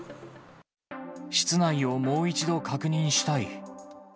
室内をもう一度確認したい。